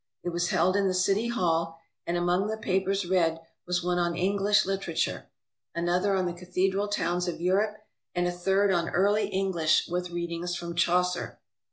It was held in the city hall, and among the papers read was one on English literature, another on the cathedral towns of Europe, and a third on early English with readings from Chaucer.